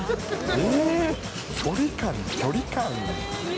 距離感、距離感。